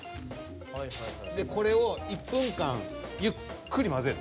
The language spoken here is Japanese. でこれを１分間ゆっくり混ぜる。